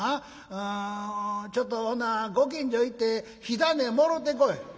うんちょっとほなご近所行って火種もろうてこい」。